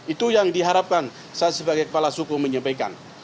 itu yang diharapkan saya sebagai kepala suku menyampaikan